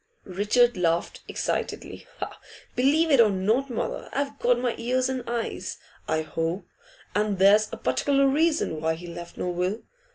Richard laughed excitedly. 'Believe it or not, mother; I've got my ears and eyes, I hope. And there's a particular reason why he left no will.